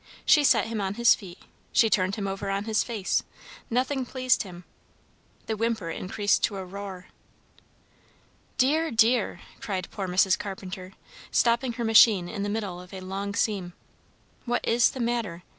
She set him on his feet, she turned him over on his face, nothing pleased him. The whimper increased to a roar. "Dear! dear!" cried poor Mrs. Carpenter, stopping her machine in the middle of a long seam. "What is the matter?